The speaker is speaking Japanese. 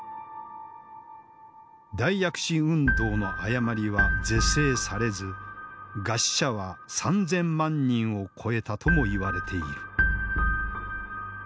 大躍進運動の誤りは是正されず餓死者は３，０００万人を超えたともいわれている。